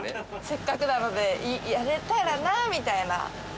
せっかくなのでやれたらなみたいな。